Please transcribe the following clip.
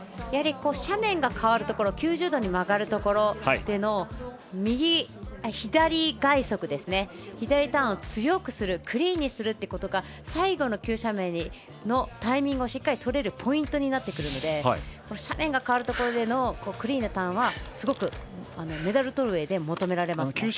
斜面が変わるところ９０度に変わるところでの左外足、左ターンを強くするクリーンにするところが最後の急斜面のタイミングをしっかり取れるポイントになってくるので斜面が変わるところでのクリーンなターンはメダルをとるうえで求められますね。